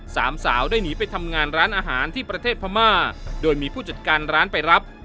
สามสาวได้หนีไปทำงานร้านอาหารที่ประเทศพม่าโดยมีผู้จัดการร้านไปรับ